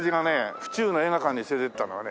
府中の映画館に連れていってたのはね